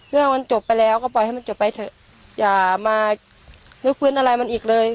เรื่องมันจบไปแล้วก็ปล่อยให้มันจบไปเถอะอย่ามาลื้อฟื้นอะไรมันอีกเลย